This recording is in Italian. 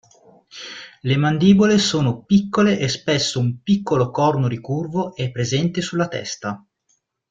Le mandibole sono piccole e spesso un piccolo corno ricurvo è presente sulla testa.